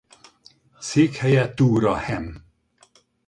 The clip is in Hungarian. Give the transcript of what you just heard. Székhelye Toora-Hem.